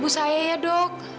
ibu saya ya dok